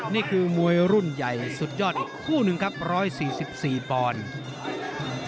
นี่คือมวยรุ่นใหญ่สุดยอดอีกคู่หนึ่งครับ๑๔๔ปอนด์